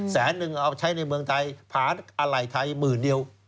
แสนนึงเอาใช้ในเมืองไทยผ่านอะไหล่ไทยหมื่นเดียว